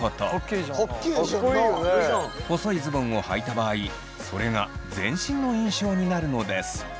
細いズボンをはいた場合それが全身の印象になるのです。